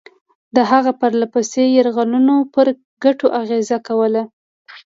د هغه پرله پسې یرغلونو پر ګټو اغېزه کوله.